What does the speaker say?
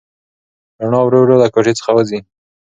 رڼا ورو ورو له کوټې څخه وځي.